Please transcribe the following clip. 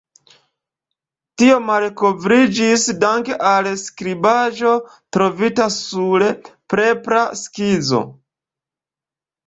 Tio malkovriĝis danke al skribaĵo trovita sur prepara skizo.